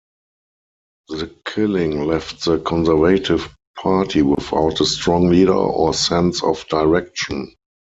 The killing left the Conservative Party without a strong leader or sense of direction.